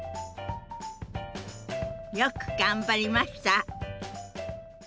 よく頑張りました！